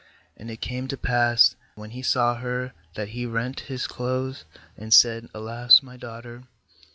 85And it came to pass, when he saw her, that he rent his clothes, and said* 'Alas, my daughter!